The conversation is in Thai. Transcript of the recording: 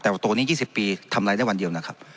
แต่ว่าตัวนี้๒๐ปีทำอะไรได้วันเดียวนะครับ